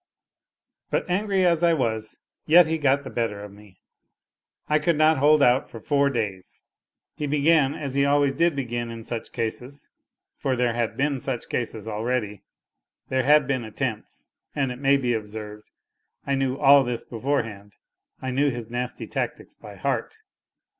... But angry as I was, yet he got the better of me. I could not hold out for four days. He began as he always did begin in such cases, for there had been such cases already, there had been attempts (and it may be observed I knew all this before hand, I knew his nasty tactics by heart).